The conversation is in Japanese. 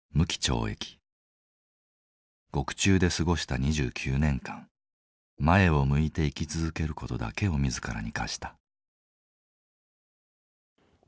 獄中で過ごした２９年間前を向いて生き続ける事だけを自らに課した。